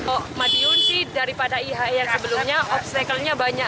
oh madiun sih daripada ihe yang sebelumnya obstacle nya banyak